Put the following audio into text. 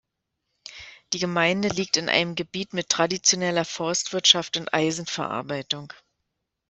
Die Gemeinde liegt in einem Gebiet mit traditioneller Forstwirtschaft und Eisenverarbeitung.